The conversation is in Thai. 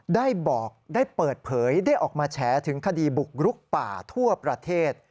ได้บอกได้เปิดเผยได้ออกมาแฉถึงคดีบุกรุกป่าทั่วประเทศ